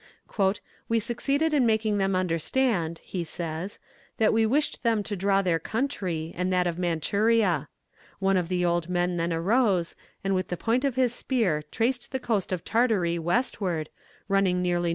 "We succeeded in making them understand," he says, "that we wished them to draw their country, and that of Manchuria. One of the old men then arose, and with the point of his spear traced the coast of Tartary westward, running nearly N.